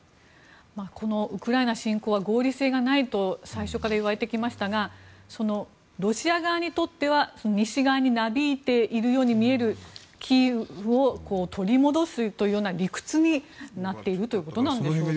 このウクライナ侵攻は合理性がないと最初から言われてきましたがロシア側にとっては西側になびいているように見えるキーウを取り戻すという理屈になっているということでしょうか。